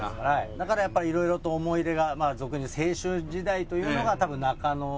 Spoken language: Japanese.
だからやっぱりいろいろと思い出がまあ俗に言う青春時代というのが多分中野なのかなと。